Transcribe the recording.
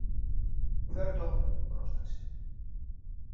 Φερ' το, πρόσταξε.